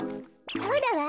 そうだわ。